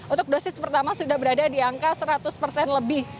untuk dosis pertama sudah berada di angka seratus persen lebih